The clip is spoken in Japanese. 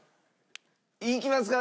いきますか？